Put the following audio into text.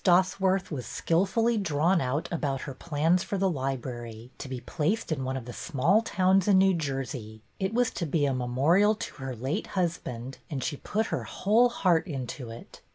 Dosworth was skilfully drawn out about her plans for the library, to be placed in one of the small towns in New Jersey. It was to be a memorial to her late husband, and she put her whole heart into it.